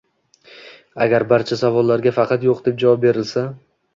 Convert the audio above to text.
Agar barcha savollarga faqat “yo‘q” deb javob berilsa